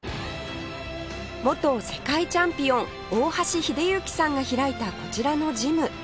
元世界チャンピオン大橋秀行さんが開いたこちらのジム